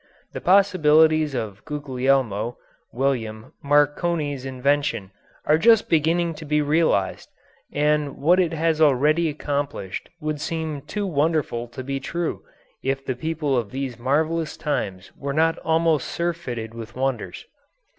The possibilities of Guglielmo (William) Marconi's invention are just beginning to be realised, and what it has already accomplished would seem too wonderful to be true if the people of these marvellous times were not almost surfeited with wonders.